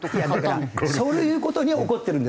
そういう事に怒ってるんですよ。